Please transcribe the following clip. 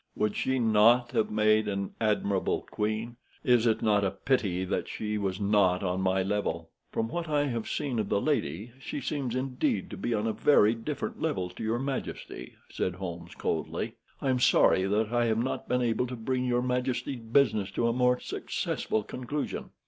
Would she not have made an admirable queen? Is it not a pity that she was not on my level?" "From what I have seen of the lady, she seems indeed to be on a very different level to your majesty," said Holmes coldly. "I am sorry that I have not been able to bring your majesty's business to a more successful conclusion."